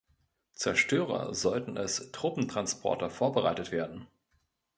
Zerstörer sollten als Truppentransporter vorbereitet werden.